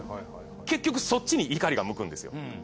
結局そっちに怒りが向くんですよ。